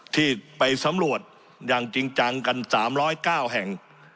ที่ไปสำรวจอย่างจริงจังกัน๓๐๙แห่ง